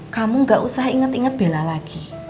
kamu gak usah inget inget bela lagi